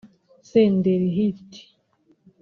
Senderi Hit